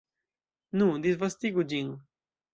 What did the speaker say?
Nu, disvastigu ĝin!